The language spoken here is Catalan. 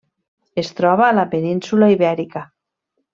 Es troba a la península Ibèrica: